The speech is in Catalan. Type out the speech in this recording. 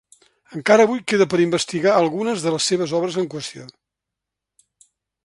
Encara avui queda per investigar algunes de les seves obres en qüestió.